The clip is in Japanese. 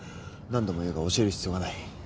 何度も言うが教える必要がない。